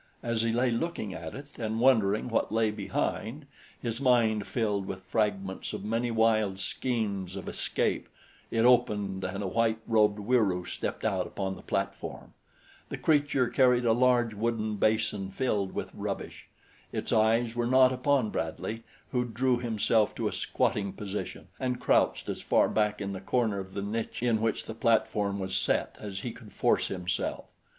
As he lay looking at it and wondering what lay behind, his mind filled with fragments of many wild schemes of escape, it opened and a white robed Wieroo stepped out upon the platform. The creature carried a large wooden basin filled with rubbish. Its eyes were not upon Bradley, who drew himself to a squatting position and crouched as far back in the corner of the niche in which the platform was set as he could force himself.